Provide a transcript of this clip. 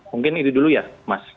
mungkin itu dulu ya mas